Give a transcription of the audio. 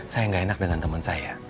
saya gak enak dengan teman saya